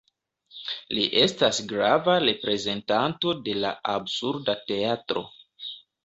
Li estas grava reprezentanto de la Absurda Teatro.